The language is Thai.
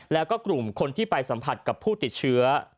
แล้วก็กลุ่มคนที่ไปสัมผัสกับผู้ติดเชื้อ